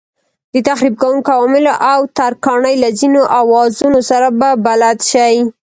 د تخریب کوونکو عواملو او ترکاڼۍ له ځینو اوزارونو سره به بلد شئ.